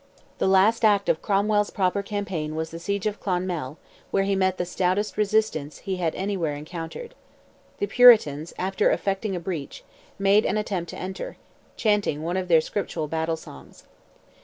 The last act of Cromwell's proper campaign was the siege of Clonmel, where he met the stoutest resistance he had anywhere encountered. The Puritans, after effecting a breach, made an attempt to enter, chanting one of their scriptural battle songs.